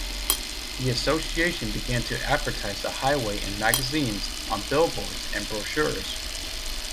The association began to advertise the highway in magazines, on billboards, and brochures.